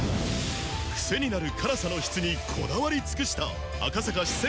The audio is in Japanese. クセになる辛さの質にこだわり尽くした赤坂四川